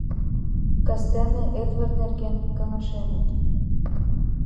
Кастене Эдвард нерген каҥашеныт.